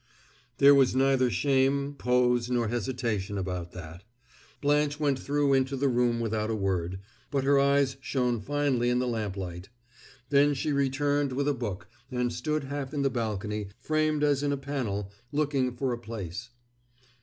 There was neither shame, pose, nor hesitation about that. Blanche went through into the room without a word, but her eyes shone finely in the lamplight. Then she returned with a book, and stood half in the balcony, framed as in a panel, looking for a place.